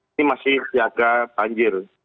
ini masih siaga banjir